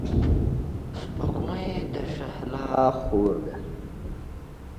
سپوږمۍ د شهلا خور ده.